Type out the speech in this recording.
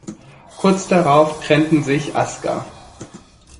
Kurz darauf trennten sich Aska.